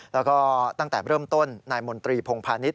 แล้วก็ตั้งแต่เริ่มต้นนายมนตรีพงพาณิช